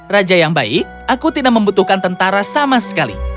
raja yang baik aku tidak membutuhkan tentara sama sekali